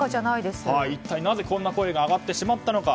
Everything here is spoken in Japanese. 一体なぜこんな声が上がってしまったのか。